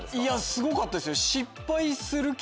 すごかったですよ。